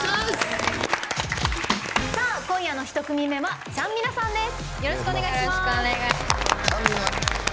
今夜の１組目はちゃんみなさんです。